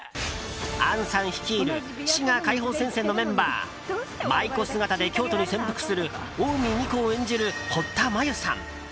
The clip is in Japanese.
杏さん率いる滋賀解放戦線のメンバー舞妓姿で京都に潜伏する近江美湖を演じる堀田真由さん。